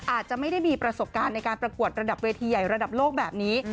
อาจจะไม่ได้มีประสบการณ์ในการประกวดระดับเวทีใหญ่ระดับโลกแบบนี้